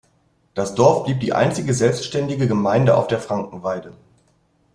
Das Dorf blieb die einzige selbstständige Gemeinde auf der Frankenweide.